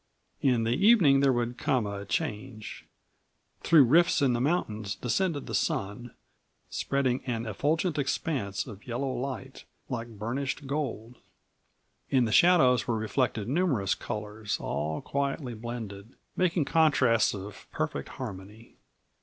In the evening there would come a change. Through rifts in the mountains descended the sun, spreading an effulgent expanse of yellow light like burnished gold. In the shadows were reflected numerous colors, all quietly blended, making contrasts of perfect harmony.